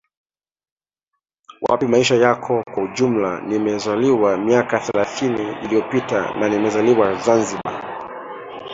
wapi maisha yako kwa ujumla Nimezaliwa miaka thelathini iliyopita na nimezaliwa Zanzibar